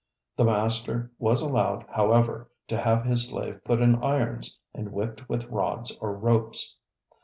The master was allowed, however, to have his slave put in irons and whipped with rods or ropes.